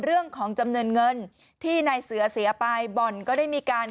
เรื่องของจำนวนเงินที่นายเสือเสียไปบ่อนก็ได้มีการ